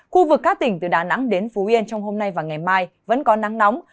khu vực các tỉnh từ đà nẵng đến phú yên trong hôm nay và ngày mai vẫn có nắng nóng